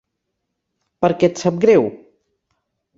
Per què et sap greu?